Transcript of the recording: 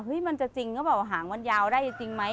เห้ยมันจะจริงกับว่าหางมันยาวได้จริงไหม